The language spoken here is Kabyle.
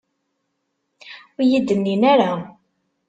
Ur iyi-d-nnin akka.